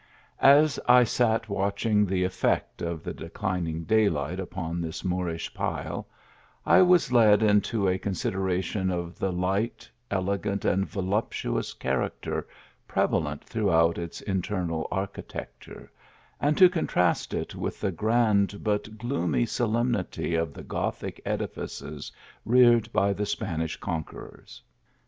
As I sat watching the effect of the declining day light upon this Moorish pile, I was led into a con sideration of the light, elegant and voluptuous char acter prevalent throughout its internal architecture, and to contrast it with the grand but gloomy solem nity of the Gothic edifices, reared by the Spanish conquerors.